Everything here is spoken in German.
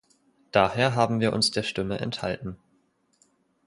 Daher haben wir uns der Stimme enthalten.